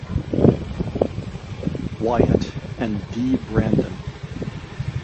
Wyatt and D. Brandon.